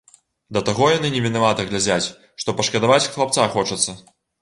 Да таго яны невінавата глядзяць, што пашкадаваць хлапца хочацца.